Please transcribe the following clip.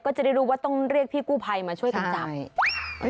ก็จะได้รู้ต้องเรียกพี่กู้ไพมาช่วยกันจำ